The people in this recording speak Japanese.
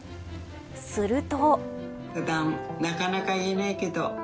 すると。